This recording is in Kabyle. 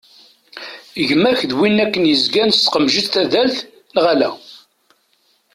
Gma-k d win akken yezgan s tqemjet tadalt, neɣ ala?